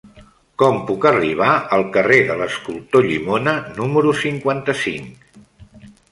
Com puc arribar al carrer de l'Escultor Llimona número cinquanta-cinc?